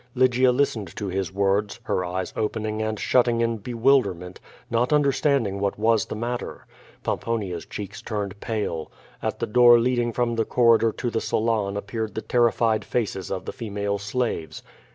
Lygia listened to his words, her eyes opening and shutting in bewilderment, not understanding what was the matter. Pomponia's cheeks turned pale. At the door leading from the coiTidor to the salon appeared the terrified faces of the female slaves.